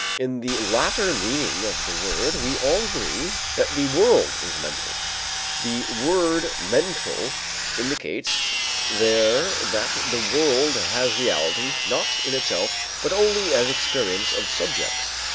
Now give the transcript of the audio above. In the latter meaning of the word, we all agree that the world is mental; the word mental indicates there that the world has reality not in itself but only as experience of subjects.